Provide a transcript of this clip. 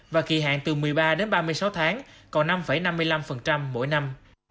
và kỳ hạn từ một mươi ba đến ba mươi sáu tháng còn năm năm mươi năm mỗi năm